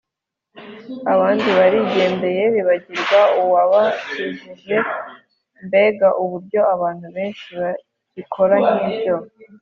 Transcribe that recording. abandi barigendeye bibagirwa uwabakijije mbega uburyo abantu benshi bagikora nk’ibyo!